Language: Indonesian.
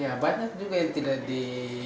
ya banyak juga yang tidak di